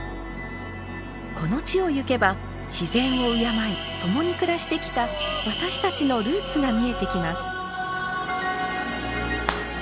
この地をゆけば自然を敬い共に暮らしてきた私たちのルーツが見えてきます。